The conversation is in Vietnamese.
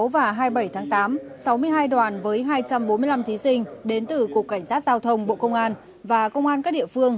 và hai mươi bảy tháng tám sáu mươi hai đoàn với hai trăm bốn mươi năm thí sinh đến từ cục cảnh sát giao thông bộ công an và công an các địa phương